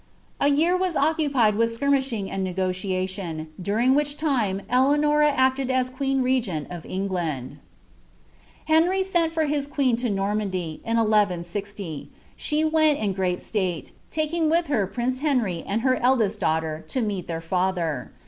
A year was occupied with skirmishing and negotiation, during which time Eleanora acted as queen regent in England. Henry sent for his queen to Normandy, in 1160; she went in gpreat stale, taJung with her prince Henry and her eldest daughter, to meet their &ther.